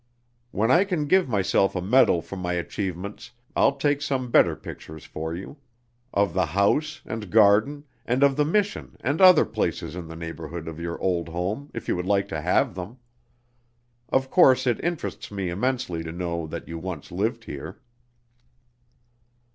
When I can give myself a medal for my achievements, I'll take some better pictures for you, of the house and garden, and of the Mission and other places in the neighborhood of your old home if you would like to have them. Of course it interests me immensely to know that you once lived here."